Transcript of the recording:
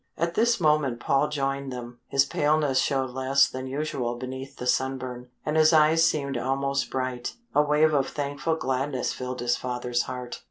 At this moment Paul joined them. His paleness showed less than usual beneath the sunburn, and his eyes seemed almost bright. A wave of thankful gladness filled his father's heart.